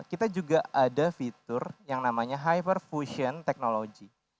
kita juga ada fitur yang namanya hyper fusion technology